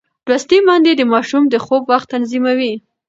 لوستې میندې د ماشوم د خوب وخت تنظیموي.